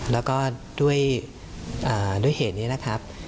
แล้วก็ด้วยเหตุนี้นะครับ